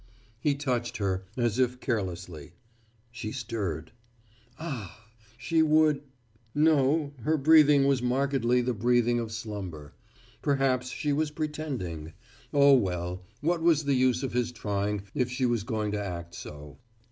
He touched her, as if carelessly. She stirred. Ah, she would no, her breathing was markedly the breathing of slumber. Perhaps she was pretending. Oh, well, what was the use of his trying, if she was going to act so?